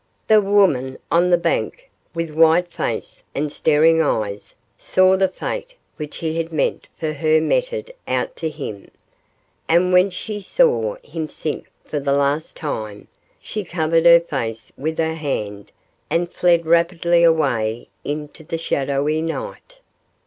The woman on the bank, with white face and staring eyes, saw the fate which he had meant for her meted out to him, and when she saw him sink for the last time, she covered her face with her hand and fled rapidly away into the shadowy night.